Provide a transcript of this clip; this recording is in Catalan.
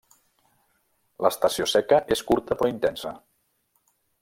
L'estació seca és curta però intensa.